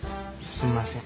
すんません。